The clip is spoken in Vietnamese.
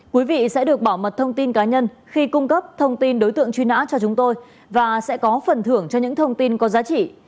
quý vị sẽ được bảo mật thông tin cá nhân khi cung cấp thông tin đối tượng truy nã cho chúng tôi và sẽ có phần thưởng cho những thông tin có giá trị